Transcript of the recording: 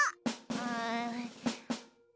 うん。